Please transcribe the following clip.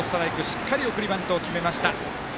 しっかり送りバント決めました。